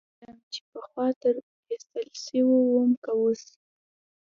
نه پوهېدم چې پخوا تېر ايستل سوى وم که اوس.